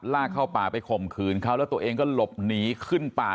ลากเข้าป่าไปข่มขืนเขาแล้วตัวเองก็หลบหนีขึ้นป่า